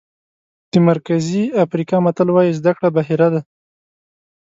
د مرکزي افریقا متل وایي زده کړه بحیره ده.